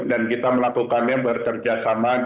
dan kita melakukannya bercerjasama